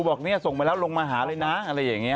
บอกเนี่ยส่งไปแล้วลงมาหาเลยนะอะไรอย่างนี้